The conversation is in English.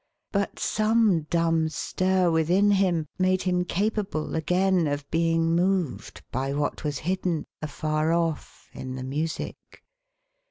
But some dumb stir within him made him capable, again, of being moved by what was hidden, afar oft', in the music.